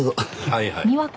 はいはい。